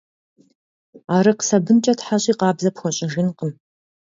Арыкъ сабынкӀэ тхьэщӀи къабзэ пхуэщӀыжынкъым.